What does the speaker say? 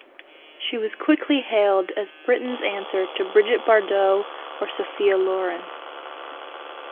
She was quickly hailed as Britain's answer to Brigitte Bardot or Sophia Loren.